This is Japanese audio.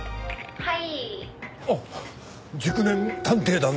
「はい。